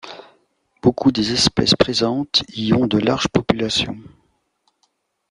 Beaucoup des espèces présentes y ont de larges populations.